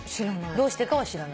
どうしてかは知らない。